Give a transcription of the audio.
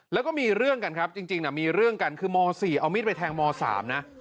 แล้วก็มีเรื่องกันครับจริงมีเรื่องกันคือม๔เอามีดไปแทงม๓นะ